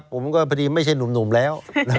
พอดีไม่ใช่หนุ่มแล้ว